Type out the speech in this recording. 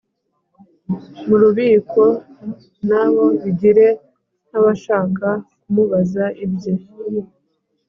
mu rukiko na bo bigire nk abashaka kumubaza ibye